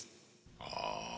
ああ。